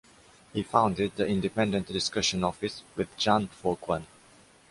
He founded the Independent Discussion Office with Zhang Foquan.